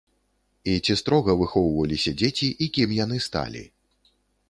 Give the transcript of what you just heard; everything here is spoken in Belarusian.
І ці строга выхоўваліся дзеці і кім яны сталі?